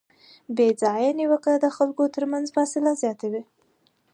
بېځایه نیوکه د خلکو ترمنځ فاصله زیاتوي.